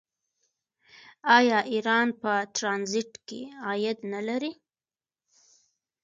آیا ایران په ټرانزیټ کې عاید نلري؟